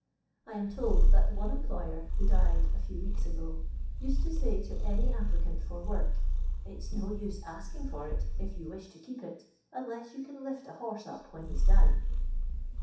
I am told that one employer, who died a few weeks ago, used to say to any applicant for work, l\'% no use asking for it, if you wish to keep it, unless you con lift a horse up when he 's down."